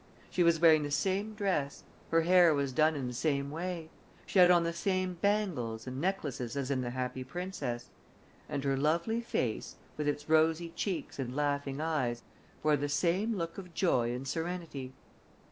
She was wearing the same dress; her hair was done in the same way; she had on the same bangles and necklaces as in The Happy Princess; and her lovely face, with its rosy cheeks and laughing eyes, bore the same look of joy and serenity.